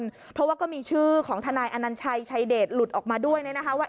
เพราะว่าก็มีชื่อของทนายอนัญชัยชัยเดชหลุดออกมาด้วยนะคะว่า